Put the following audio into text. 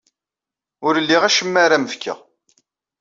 Ur liɣ acemma ara am-fkeɣ.